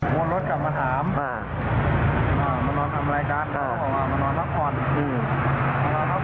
งวดรถกลับมาถามมานอนทำอะไรก้าวเขาก็บอกว่ามานอนเพราะความลึก